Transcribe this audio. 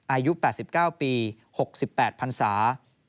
อายุ๘๙ปี๖๘พันศา